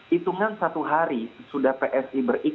hitungan satu hari sudah psi berikutnya